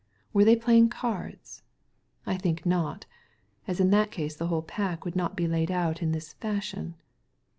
Were they playing cards ? I think not, as in that case the whole pack would not be laid out in this fashion.